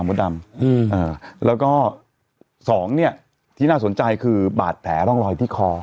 มดดำแล้วก็สองเนี่ยที่น่าสนใจคือบาดแผลร่องรอยที่คอ